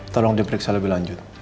tolong diperiksa lebih lanjut